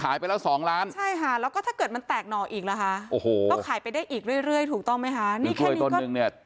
อันนี้ถูกกว่าหน่อแปลงก็ได้เรื่อยอ่ะจริง